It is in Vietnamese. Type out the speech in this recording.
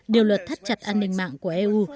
điều luật thắt chặt an ninh mạng của eu